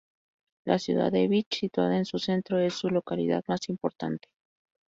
La ciudad de Vich, situada en su centro, es su localidad más importante.